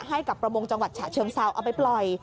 ให้กับประมงจังหวัดฉะเชิงเซาเอาไปปล่อย